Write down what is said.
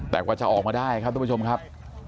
แต่กว่าจะออกมาได้ครับทุกผู้ชมครับ